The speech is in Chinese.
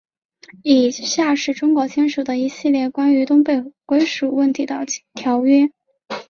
以下是中国签署的一系列关于东北归属问题的条约。